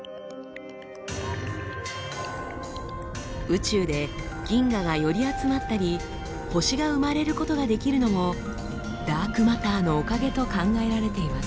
宇宙で銀河が寄り集まったり星が生まれることができるのもダークマターのおかげと考えられています。